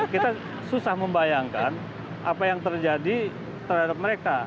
kita susah membayangkan apa yang terjadi terhadap mereka